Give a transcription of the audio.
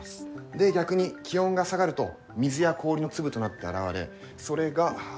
で逆に気温が下がると水や氷の粒となって現れそれが雲。